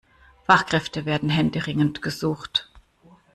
Fachkräfte werden händeringend gesucht.